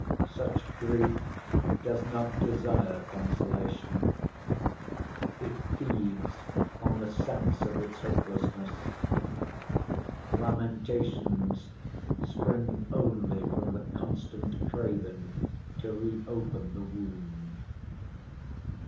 Such grief does not desire consolation. It feeds on the sense of its hopelessness. Lamentations spring only from the constant craving to reopen the wound.